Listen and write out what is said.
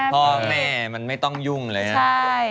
พ่อแม่มันไม่ต้องยุ่งเลยนะ